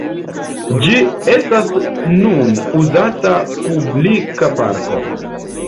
Ĝi estas nun uzata publika parko.